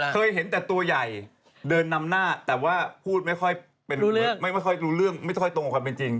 เคยเห็นแต่ตัวใหญ่เดินนำหน้าแต่ว่าพูดไม่ค่อยเป็นไม่ค่อยรู้เรื่องไม่ค่อยตรงกับความเป็นจริง